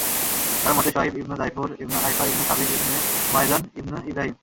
কারও মতে, শুআয়ব ইবন দায়ফূর ইবন আয়ফা ইবন ছাবিত ইবন মাদয়ান ইবন ইবরাহীম।